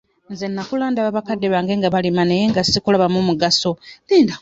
Nze nakula ndaba bakadde bange nga balima naye nga sikulabamu mugaso.